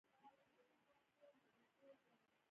سید اباد مڼې مشهورې دي؟